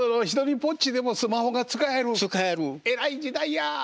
えらい時代や。